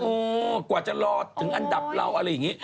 กว่าจะรอถึงอันดับเราอะไรอย่างนี้